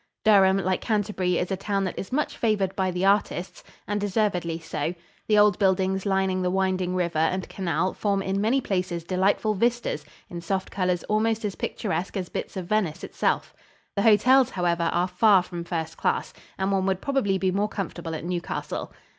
Durham, like Canterbury, is a town that is much favored by the artists, and deservedly so. The old buildings lining the winding river and canal form in many places delightful vistas in soft colors almost as picturesque as bits of Venice itself. The hotels, however, are far from first class, and one would probably be more comfortable at Newcastle.